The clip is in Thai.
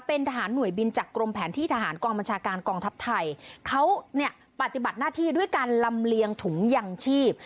เป็นทหารหน่วยบินจากกรมแผนที่ทหารกองบัญชาการกองทัพไทยเขาเนี่ยปฏิบัติหน้าที่ด้วยการลำเลียงถุงยังชีพ